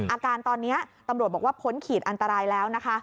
อาการตอนนี้ตำรวจบอกว่าพ้นขีดอันตรายแล้วนะคะ